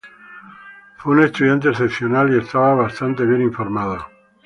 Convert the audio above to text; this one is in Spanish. Fue un estudiante excepcional y estaba bastante bien informado.